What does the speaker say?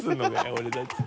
俺たち。